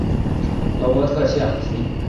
罗伯特像机。